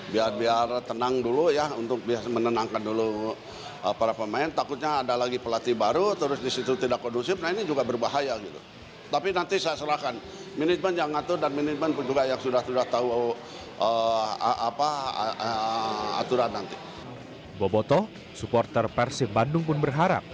boboto supporter persib bandung pun berharap